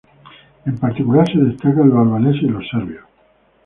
En particular se destacan los albaneses y los serbios.